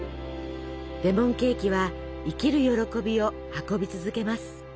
レモンケーキは生きる喜びを運び続けます。